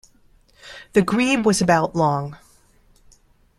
The grebe was about long.